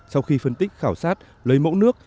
sau khi phân tích khảo sát lấy mẫu nước